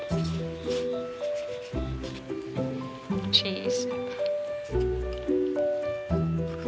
チーズ。